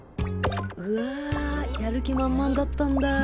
うわやる気マンマンだったんだ。